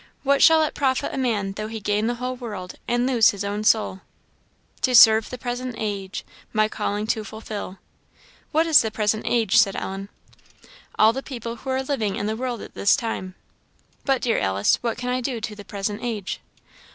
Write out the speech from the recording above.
'What shall it profit a man though he gain the whole world, and lose his own soul?' 'To serve the present age, My calling to fulfil '" "What is 'the present age?' " said Ellen. "All the people who are living in the world at this time." "But, dear Alice, what can I do to the present age?"